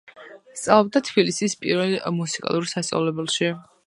სწავლობდა თბილისის პირველ მუსიკალურ სასწავლებელში.